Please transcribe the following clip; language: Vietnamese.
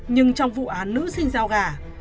nhưng trong vụ án nữ sinh dao gà